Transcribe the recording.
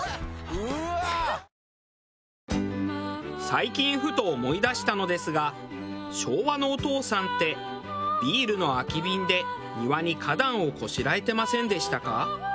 最近ふと思い出したのですが昭和のお父さんってビールの空き瓶で庭に花壇をこしらえてませんでしたか？